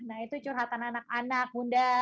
nah itu curhatan anak anak bunda